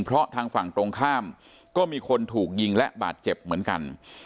เพราะทางฝั่งตรงข้ามก็มีคนถูกยิงและบาดเจ็บเหมือนกัน